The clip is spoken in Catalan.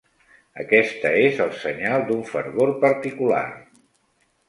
Aquesta és el senyal d'un fervor particular.